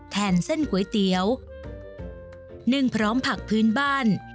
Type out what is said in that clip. เส้นก๋วยเตี๋ยวนึ่งพร้อมผักพื้นบ้าน